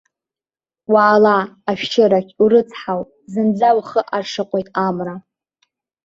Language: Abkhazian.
Уаала ашәшьырахь, урыцҳауп, зынӡа ухы аршаҟәеит амра.